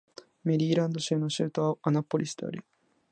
メリーランド州の州都はアナポリスである